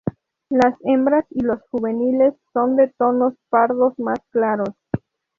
Las hembras y los juveniles son de tonos pardos más claros.